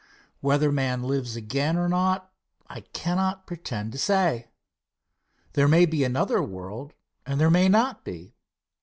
Whether man lives again or not I cannot pretend to say. There may be another world and there may not be.